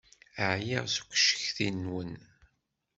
Ɛyiɣ seg ucetki-nwen.